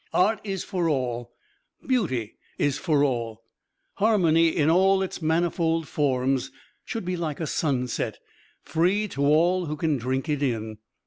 Art is for all beauty is for all. Harmony in all of its manifold forms should be like a sunset free to all who can drink it in.